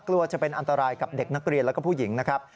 กลัวจะเป็นอันตรายกับเด็กนักเรียนแล้วก็ผู้หญิงนะครับ